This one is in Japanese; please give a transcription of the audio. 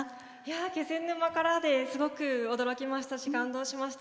気仙沼からですごく驚きましたし感動しました。